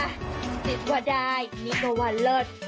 อ่ะจิ๊บว่าได้นี่ก็ว่าเลิศ